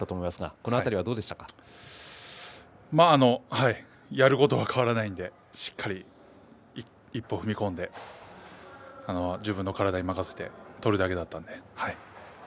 もうやることは変わらないのでしっかり一歩踏み込んで自分の体に任せて取るだけだったので。